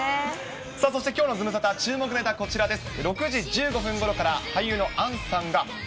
さあ、そしてきょうのズムサタ、注目ネタ、こちらです。